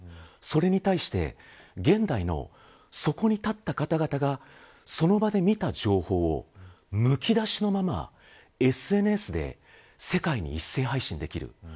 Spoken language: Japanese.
それに対して現代の、そこに立った方々がその場で見た情報をむき出しのままＳＮＳで世界に一斉配信できる。